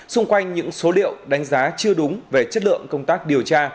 xung quanh những số liệu đánh giá chưa đúng về chất lượng công tác điều tra